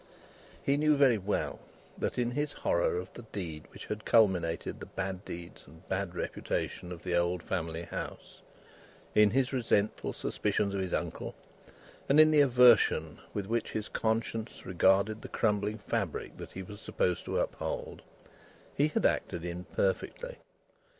He knew very well, that in his horror of the deed which had culminated the bad deeds and bad reputation of the old family house, in his resentful suspicions of his uncle, and in the aversion with which his conscience regarded the crumbling fabric that he was supposed to uphold, he had acted imperfectly.